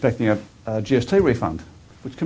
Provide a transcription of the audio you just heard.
peralatan besar dan mengharapkan